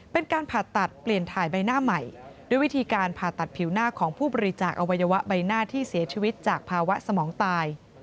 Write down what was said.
เป็นการผ่าตัดเปลี่ยนถ่ายใบหน้าใหม่ด้วยวิธีการผ่าตัดผิวหน้าของผู้บริจาคอวัยวะใบหน้าที่เสียชีวิตจากภาวะสมองตาย